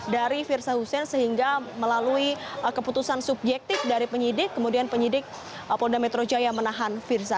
dari firza hussein sehingga melalui keputusan subjektif dari penyidik kemudian penyidik polda metro jaya menahan firza